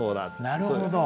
なるほど。